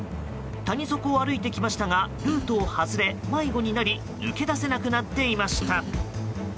谷底を歩いてきましたがルートを外れ、迷子になり抜け出せなくなっていました。